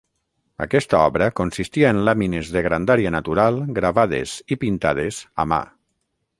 Aquesta obra consistia en làmines de grandària natural gravades i pintades a mà.